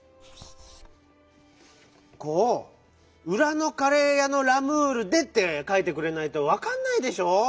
こう「うらのカレーやのラムールで」ってかいてくれないとわかんないでしょう？